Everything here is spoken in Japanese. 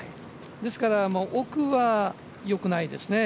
ですから、奥は良くないですね。